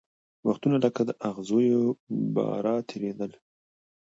وختونه لکه د اغزیو باره تېرېدل